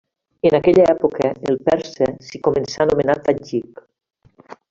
En aquella època el persa s'hi començà a anomenar tadjik.